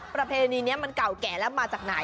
ประเพณีนี้มันเก่าแก่แล้วมาจากไหน